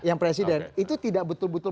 yang presiden itu tidak betul betul